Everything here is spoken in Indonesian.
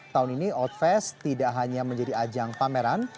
tahun ini outfest tidak hanya menjadi ajang pameran